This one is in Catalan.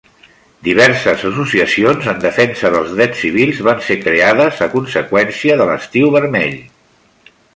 Diverses associacions en defensa dels drets civils van ser creades a conseqüència de l'Estiu Vermell.